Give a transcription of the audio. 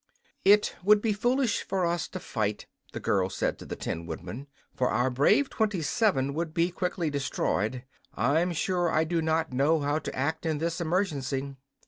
"It would be foolish for us to fight," the girl said to the Tin Woodman. "For our brave Twenty Seven would be quickly destroyed. I'm sure I do not know how to act in this emergency."